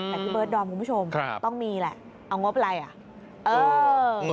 แต่พี่เบิร์ดดอมคุณผู้ชมต้องมีแหละเอางบอะไรอ่ะเออ